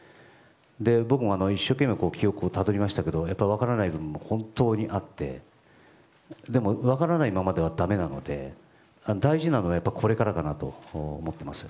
僕も一生懸命記憶をたどりましたけどやっぱり分からない部分も本当にあってでも、分からないままではだめなので大事なのはこれからだなと思っています。